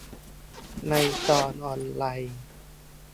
ในตอนออนไลน์